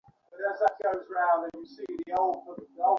দুর্বল, অপুষ্ট একটি শিশুর জন্ম দিলাম।